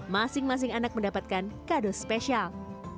masing masing anak mendapatkan kado spesial